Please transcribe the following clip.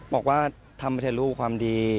บอกว่าทำไปเท่าที่รูปความดี